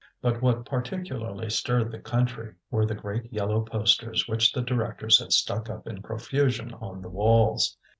But what particularly stirred the country were the great yellow posters which the directors had stuck up in profusion on the walls.